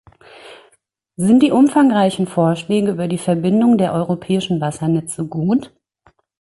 Sind die umfangreichen Vorschläge über die Verbindung der europäischen Wassernetze gut?